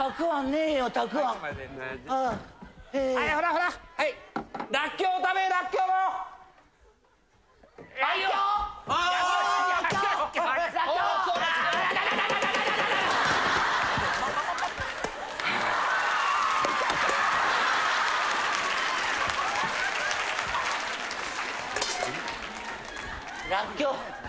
らっきょう。